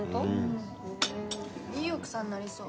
いい奥さんになりそう。